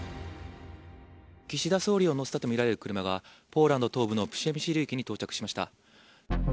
岸田総理を乗せたと見られる車が、ポーランド東部のプシェミシル駅に到着しました。